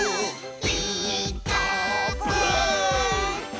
「ピーカーブ！」